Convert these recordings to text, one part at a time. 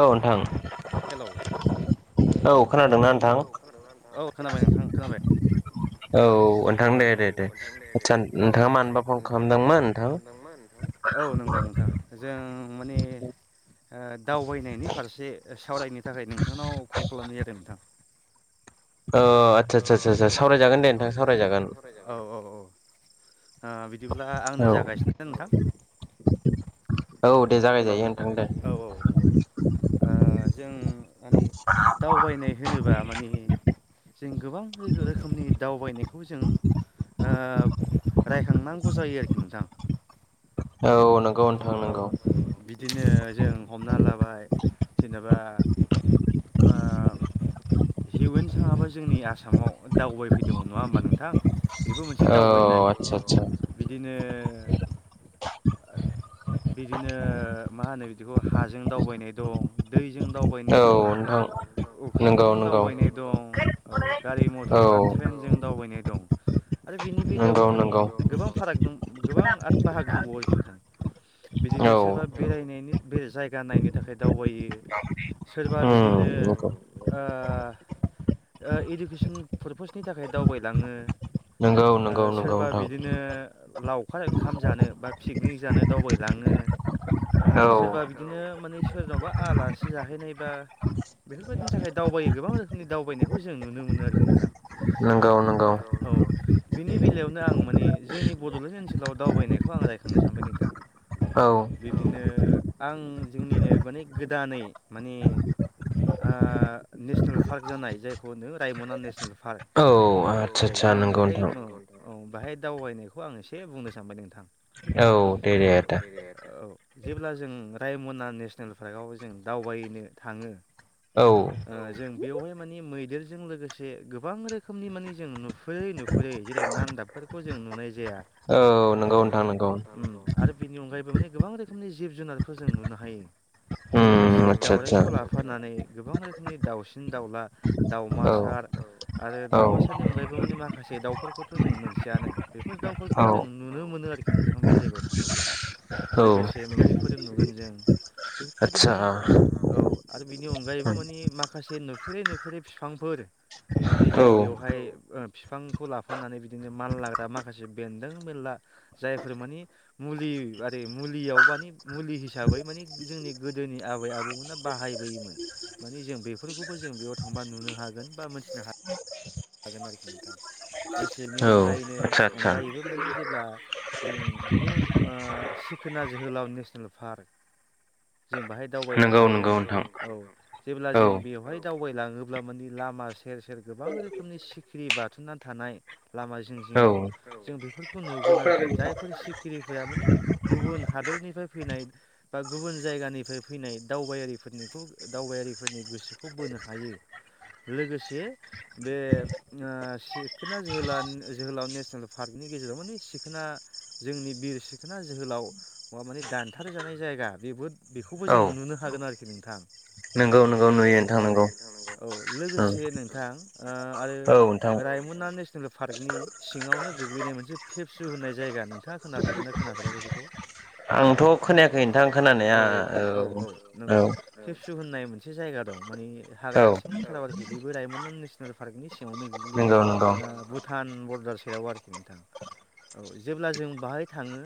औ नोंथां। हेल' हेल' नोंथां औ खोनादोंना नोंथां औ खोनाबाय नोंथां ओं खोनाबाय। औ नोंथां दे दे दे आडसा नोंथाङा मानोबा फन खालामदोंमोन नोंथां? औ नंगौ नोंथां जों माने ओ दावबायनायनि फारसे सावरायनो थाखाय नोंथांनाव कल खालामनाय जादों नोंथां। अह आतसा सा सा सावरायजागोन दे नोंथां सावरायजागोन। ओ बिदिब्ला आंनो जागायसै ना नोंथां। हेल' औ औ नंगौ ओ जों माने दावबायनाय होनोबा मानि जों गोबां रोखोमनि दावबायनायखौ जों ओ राय थांनांगौ जायो आरोखि नोंथां। औ नोंगौ नोंथां नोंगौ। बिदिनो जों हमना लाबाय जेनेबा आ हिउवेनसांआबो जोंनि आसामाव दावबायफैदोंमोन नङा होमबा नोंथां? बेबो मोनसे दावबायनाय बिदिनो बिदिनो मा होनो बिदिखौ हाजों दावबायनाय दं। दै जों दावबायनो दं। अख्रांजों दावबायनाय दं, गारि मथर बा ट्रेनजों दावबायनाय दं। आरो बिनि बेदायावबो माने गोबां फाराग दं गोबां आरो बाहागो दंबावो आरोखि ना। बिदिनो सोरबा बेरायनायनि जायगा नायनो थाखाय दावबायो। सोरबा बिदिनो ओ इडुकेसन पारपासनि थाखाय दावबायलाङो। ओ सोरबा बिदिनो लावखार ओंखाम जानो बा पिकनिक जानो दावबायलाङो। सोरबा बिदिनो माने सोरनावबा आलासि जाहैनायबा बेफोरबायदिनि थाखाय दावबायो गोबां रोखोमनि दावबायनायखौ जों नुनो मोनो आरोखि नोंथां। औ बिनि बेलायावनो आं माने जोंनि बड'लेण्ड ओनसोलाव दावबायनायखौ आं राय खांनो सानबाय नोंथां। बिदिनो आं जोंनिनो माने गोदानै माने आ नेसनेल पार्क जानाय जायखौ होनो रायमना नेसनेल पार्क। औ औ आं बाहाय औ औ बेहाय दावबायनायखौ आं एसे बुंनो सानबाय नोंथां। औ दे-दे आदा। जेब्ला जों रायमना नेसनेल पार्कआव जों दावबायनो थाङो। औ। जों बेवहाय मानि मैदेरजों लोगोसे गोबां रोखोमनि मानि जों नुफुरै नुफुरै जेरै मान दाबफोरखौ जों नुनाय जाया। औ नंगौ नोंथां नंगौ। उम आरो बिनि अनगायैबो माने गोबां रोखोमनि जिब जुनारफोर जों नुनो हायो। लोगोसे दाावराइखौ लाफानानै गोबां रोखोमनि दाउसिन दाउला। दावमासार आरो दावमासारनि अनगायैबो माने माखासे दाउफोरखौथ' जों मोनथियानो। बेफोर दाउफोरखौ जों नुनो मोनो आरोखि नोंथां बे जायगायाव थाङोब्ला। लोगोसे मैफोर नुगोन जों बेफोरबायदि माने औ आरो बि नि अनगायैबो माने माखासे नुफेरै-नुफेरै बिफांफोर माने जों बेवहाय ओ फिफांखौ लाफानानै बिदिनो मानलाग्रा माखासे बेन्दों बेनला जाय फोर माने मुलि आरि मुलियाव माने मुलि हिसाबै माने जोंनि गोदोनि आबै आ बौमोना बाहायबोयोमोन माने जों बेफोरखौबो जों बेयाव थांबा नुनो हागोन बाथिनो हा हागोन आरोखि नोंथां [inaudible] गायैनो अनगायैबो माने जेब्ला जों बिनि उन ओ सिखोना जोहोलाव नेसनेल पार्क। जों बाहाय दावबायनो हागोन नोंगौ नोंथां नंगौ, औ जेब्ला जों बेवहाय। दावबायलाङोब्ला माने लामा सेर सेर गोबां रो खोमनि सिखिरि बाथुमनानै थानाय लामा जिं जिङाव औ जों बेफोर खौ नुगोन आरोखि जायफोर सि खिरिफोरा माने गुबुन हादरनिफ्राय फैनाय बा गुबुन जायगानिफ्राय फैनाय दावबायारि फोरनिखौ दावबायारिफोरनि गोसोखौ बोनो हायो लोगोसे बे ओ सिखोना जोहोला जोहोलाव नेसनेल पार्कनि गेजेराव माने सिखोना जोंनि बिर सिखोना जोहोलाव मा माने दानथारजानाय जायगा बेबो बेखौबो जों नुनो हागोन आरोखि नोंथां। नंगौ नंगौ माने नोंथां। औ औ लोगोसे नोंथां। ओ आरो रायमना नेस नेल पार्कनि सिङावनो गोग्लैनाय मोन फेबसु होननाय जायगा नोंथाङा खोनाफैगोन ना खोनाफेराखै बेखौ? आंथ खोनायाखै नोंथां खोनानाया औ-औ। सु होननाय मोनसे जायगा दं मानि हाग्रा सिंथाराव आरोखि बेबो रायमना नेस नेल फारगनि सिङावनो गोग्लैयो भुटान बर्दार सेराव आरोखि नोंथा। औ जेब्ला जों बाहाय थाङो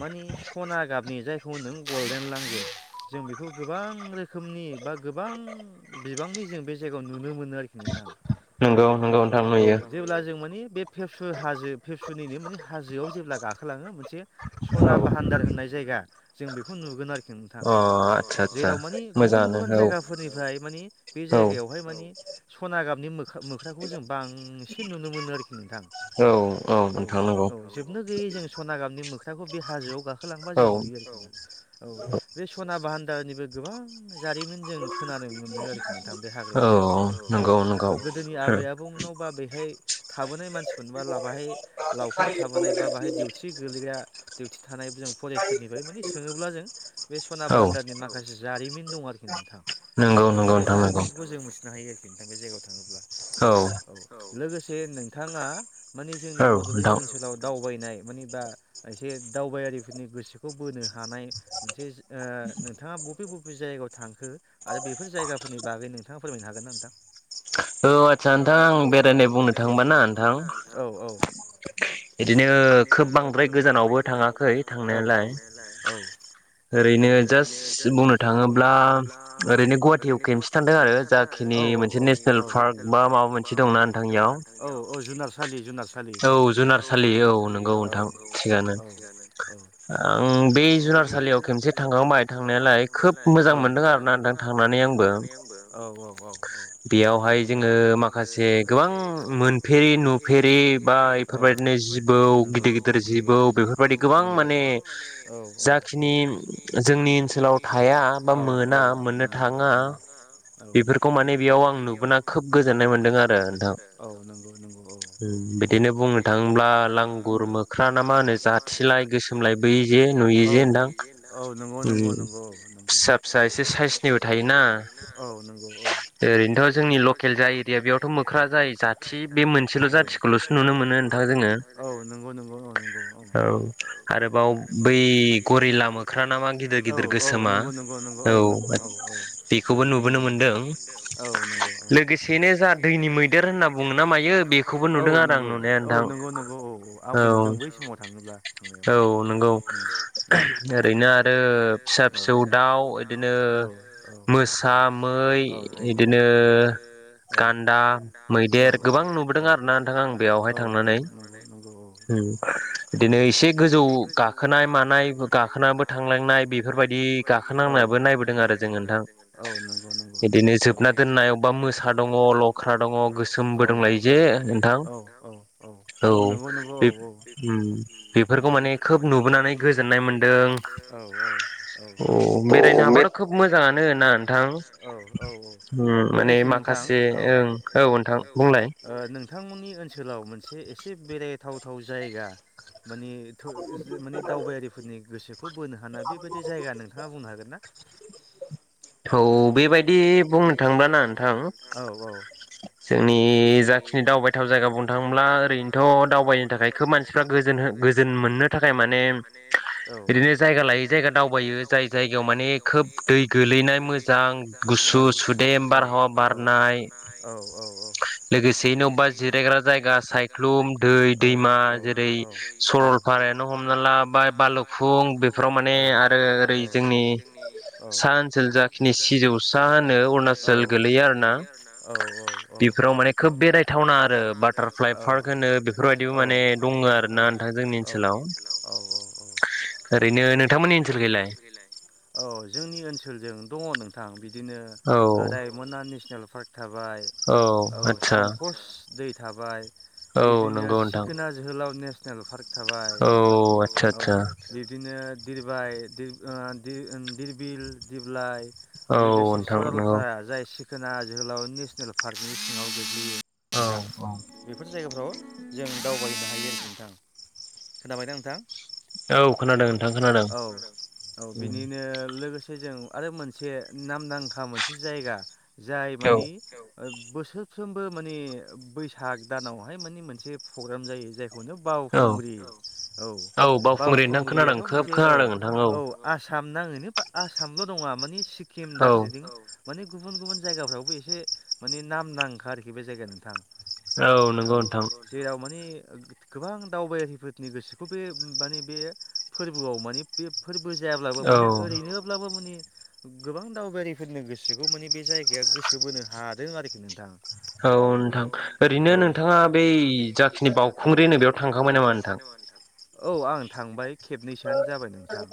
मानि सना गाबनि जायखौ होनदों गल्डेन लांगुर जों बेखौ गोबां रोखोमनि बा गोबां बिबांनि जों बे जायगायाव नुनो मोनो आरोखि नोंथां। औ-औ जेब्ला जों मोन नि बे फेबसु हाजो फेबसुनिनो मानि हाजोयाव जेब्ला गाखोलाङो मोनसे सना बाहान्दार होननाय जायगा जों बेखौ नुगोन आरोखि नोंथां। जेराव मानि गुबुन गुबुन जायगाफोरनिफ्राय मानि बे जायगायावहाय मानि सना गाबनि मोखा-मोख्राखौबो जों बांसिन नुनो मोनो आरो खि नोंथां औ औ जोबनो गैयै जों सना गाबनि मोख्राखौ बे हाजोआव गाख खोलांबा जों नुयो आरोखि ना। औ बे सना बाहान्दारनिबो गोबां जारिमिन जों खोनानो मोनो आरो नोंथां बे हाग्रायावहाय औ गोदोनि आबै आबौमोनाव बा बेहाय थाबोनाय मानसिमोनबाला बाहाय लावखार थाबोनाय बा बाहाय दिउथि गोगलैगा दिउथि थानायबो जों फरेस्टफोरनिफाय मानि सोङोब्ला जों बे सना बाहान्दारनि माखासे जारिमिन दं आरोखि नोंथां बेफोर जारिमिनखौ जों मिथिनो हायो आरोखि नोंथां बे जायगायाव थाङोब्ला औ लोगोसे नोंथाङा मानि जोंनि बडलेण्ड ओनसोलाव दावबायनाय एबा एसे दावबायारिफोरनि गोसोखौ बोनो हानाय मोनसे ओ नोंथाङा बबे बबे जायगायाव थांखो आरो बेफोर जायगाफोरनि बागै नोंथाङा फोरमायनो हागोन ना नोंथां? औ आदसा नोंथां बेरायनाय बुंनो थांबाना नोंथां औ औ बिदिनो खोब बांद्राय गोजानावबो थाङाखै औ औ थांनायालाय औ ओरैनो जास्ट बुंनो थाङोब्ला औ ओरैनो गुवाहाटियाव खेनसे थांदों आरो औ औ औ नेसनेल पार्क बा माबा मोनसे दंना नोंथां औ जुनारसालि जुनार सालि औ जुनार सालि औ औ नंगौ नोंथां थिगानो औ औ आं जुनारसालियाव खेनसे थांखांबाय थांनायालाय खोब मोजां मोनदों आरो ना नोंथां थांनानै आंबो। औ औ औ औ बेयावहाय जोङो माखासे गोबां मोनफेरि नुफेरि बा बेफोरबायदिनो जिबौ गिदिर गिदिर जिबौ बेफोरबायदि गोबां माने जाखिनि जोंनि ओनसोलाव थाया बा मोना मोननो थाङा बेफोरखौ माने बे खौ माने बेयाव आं नुबोना खोब गोजोन्नाय मोनदों आरो औ नोंगौ नोंगौ औ औ औ बिदिनो होमब्ला लांगुर मोख्रा ना मा होनो जाथिलाय गोसोमलाय बैजे नुयो जे नोंथां। औ नंगौ नंगौ नंगौ औ नंगौ फिसा फिसा एसे साइसनिबो थायोना औ नंगौ औ ओरैनोथ' जोंनि लकेल जा एरिया बेयावथ मोख्रा जाय जाथि बे मोनसेल जाथिखौलसो नुनो मोनो नोंथा नुनो मोनो नोंथां औ नोंगौ नोंगौ औ नोंगौ औ औ आरोबाव बै गरि ला नामान गिदिर गिदिर गोसोमा औ बेखौबो नुबोनो मोनदों। औ नंगौ औ लोगोसेनो जा दैनि मैदेर होनना बुङो ना मायो औ नंगौ औ नों नंगौ नंगौ औ औ आंबो नुदों बै समाव थाङोब्ला थांनायावहाय औ नंगौ ओम ओरैनो आरो औ फिसा फिसौ दाउ औ औ बिदिनो मोसा मै बिदिनो गान्दा मैदेर गोबां नुबोदों आरोना नोंथां आं बेवहाय थांनानै बिदिनो एसे गोजौ गाखोनाय मानाय गाखोनाबो थांलांनाय बे नाय बेफोरबायदि औ गाखोनांनायबो नायबोदों आरो जोङो नोंथां औ नोंगौ नोंगौ। औ बिदिनो जोबना दोननाय अबबा मोसा दङ लख्रा दङ औ औ गोसोमबोदंलायो जे औ बे उम्म बेफोरखौ माने खोब नुबोनानै गोजोननाय मोन्दों। अ बेरायनो हाबाथ' खोब मोजाङानो ना नोंथां? उम माने माखासे ओं औ नोंथां बुंलाय औ मोनसे एसे बेरायथावथाव जायगा। माने थ जों माने दावबायारिफोरनि गोसोखौ बोनो हानाय बेबायदि जायगा नोंथाङा बुंनो हागोन ना। औ बेबायदि बेबायदि बुंनो थांबाना नोंथां औ औ जोंनि जाखिनि दावबायथाव जायगा बुंनो थाङोब्ला ओरैनोथ' दावबायनो थाखाय खोब मानसिफ्रा गोजोन गोजोन मोननो थाखाय माने बिदिनो जायगा लायै जायगा दावबायो जाय जायगायाव माने खोब दै गोलैनाय मोजां गुसु औ गुसु सुदेम बारहावा बारनाय औ औ औ लोगोसेयैनो अबेबा जिरायग्रा जायगा सायख्लुम दै दैमा जेरै सरलपारा ओरैनो हमना ला बा बालुफुं बेफोराव माने आरो ओरै जोंनि साहा ओनसोल जाखिनि सिजौ सिजौसा होनो अरुणाचल गोलैयो आरो ना बेफोराव माने खोब बेरायथावना आरो बाइ पार्क होनो बेफोरबायदि माने दङ आरोना जोंनि ओनसोलाव। ओरैनो नोंथांमोननि ओनसोलखैलाय औ जोंनि ओनसोलजों दङ नोंथां। बिदिनो रायमना नेसनेल पार्क थाबाय औ संकस दै थाबाय। बिबदिनो सिखोना जोहोलाव नेसनेल पार्क थाबाय औ बिदिनो दिरबाय दि ओ दि ओ दिरबिल दिपलाइ लोगोसे सरलपारा जाय सिखोना जोहोलाव नेसनेल पार्कनि सिङाव गोग्लैयो। औ औ। जायगाफ्राव जों दावबायनो हायो नोंथां। खोनाबायना नोंथां? औ औ बिनिनो लोगोसे जों आरो मोनसे नामदांखा मोनसे जायगा जाय मानि ओ बोसोरफ्रोमबो माने बैसाग दानावहाय माने मोनसे प्रग्राम जायो जाय खौनो बावखुंग्रि औ बावखुंग्रियाथ' मोनसे औ औ आसा साम नाङैनो आसामल' नङा माने सिक्किम दार्जिलिं माने गुबुन गुबुन जायगाफ्रावबो एसे माने नामदांखा आरोखि बे जायगाया नोंथां। औ जेराव माने गो-गोबां दावबायारिफोरनि गोसोखौ बे माने बे फोरबोआव माने बे फोर बो जायाब्लाबो माने ओरैनोब्लाबो माने गोबां दावबायारिफोरनो गोसोखौ माने बे जायगाया गोसो बोनो हादों आरोखि नोंथां। औ औ औ आं थांबाय खेबनैसोआनो जाबाय नोंथां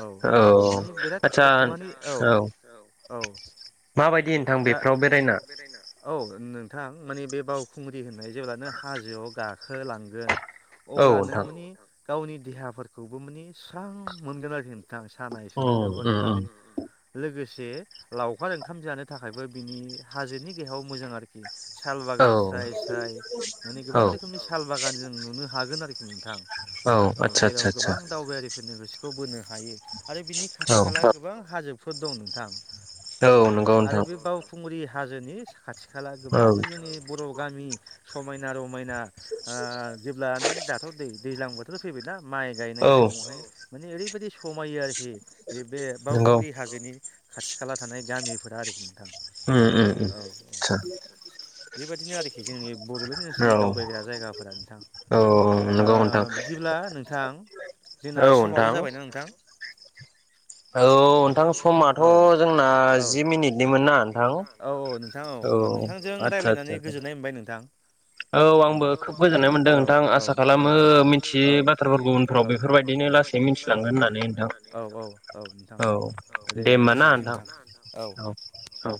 औ माने बिराद माने औ औ दा औ नों नथां माने बे बावखुंग्रि होननाय जेब्लानो हाजोआव गाखोलांगोन अब्ला नोंनि गावनि देहाफोरखौबो मोने स्रां मोनगोन आरोखि। सानाय सुनायफ्राबो खारो लोगोसे लावखार ओंखाम जानो थाखायबो बिनि हाजोनि गाहायाव मोजां आरोखि। साल बागान स्राय स्राय माने गोबां रोखोमनि साल बागान जों नुनो हागोन आरोखि नोंथां। औ जेराव गोबां दावबायारिफोरनो गोसोखौ बोनो हायो। आरो बिनि खाथि खाला गोबां हाजोफोर दं नोंथां। औ आरो बे बावखुंग्रि हाजोनि साखाथि खाला गोबां जोंनि बर' गामि समायना रमायना ओ जेब्ला नों दाथ' दै-दैज्लां बोथोर फैबायना माइ गायनाय समावहाय माने ओरैबायदि समायो आरोखि बे बे बावखुंग्रि खाथि खाला थानाय गामिफोरा आरोखि नोंथां उम उम उम आदसा बेबायदिनो आरोखि जोंनि बड'लेण्ड ओनसोलनि दावबायग्रा जायगाफोरा नोंथां। ओ बिदिब्ला नोंथां जोंना समाबो जाबायना नोंथां। औ औ औ औ नोंथां औ नोंथांजों रायज्लायनानै गोजोननाय मोनबाय नोंथां। औ आंबो खोब गोजोननाय मोनदों नोंथां आसा खालामो मिथियै बाथ्राफोरखौ उनफ्राव बेफोरबायदिनो औ लास औ औ औ नोंथां औ दे होमबा ना नोंथां